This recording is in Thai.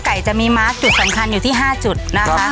จะมีมาร์คจุดสำคัญอยู่ที่๕จุดนะคะ